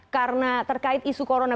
karena terkait isu corona